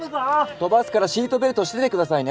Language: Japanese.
飛ばすからシートベルトしててくださいね。